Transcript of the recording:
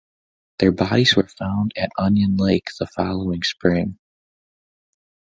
Their bodies were found at Onion Lake the following spring.